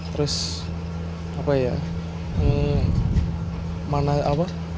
terus apa ya mana apa